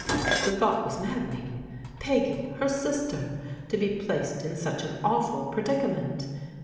The thought was maddening ! Peggy, her sister, to be placed in such an awful predicament